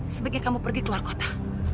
sebaiknya kamu pergi ke luar kota